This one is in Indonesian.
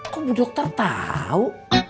kok bu dokter tau